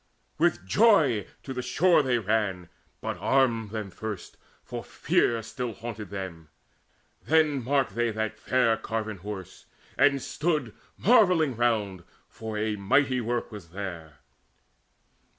With joy to the shore they ran, But armed them first, for fear still haunted them Then marked they that fair carven Horse, and stood Marvelling round, for a mighty work was there.